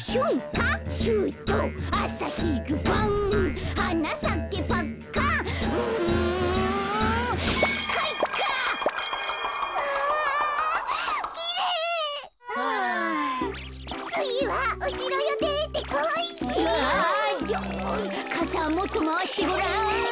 かさをもっとまわしてごらん。